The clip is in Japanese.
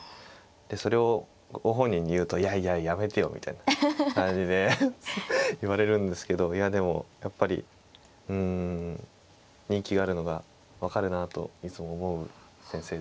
でそれをご本人に言うと「いやいややめてよ」みたいな感じで言われるんですけどいやでもやっぱりうん人気があるのが分かるなといつも思う先生ですね。